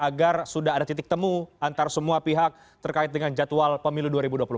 agar sudah ada titik temu antara semua pihak terkait dengan jadwal pemilu dua ribu dua puluh empat